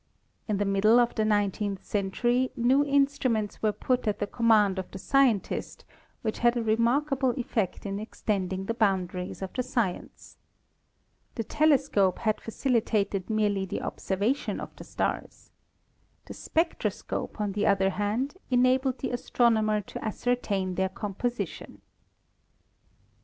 In the middle of the nineteenth century new instruments were put at the command of the scientist which had a remarkable effect in extending the boundaries of the science. The telescope io ASTRONOMY had facilitated merely the observation of the stars. The spectroscope, on the other hand, enabled the astronomer to ascertain their composition.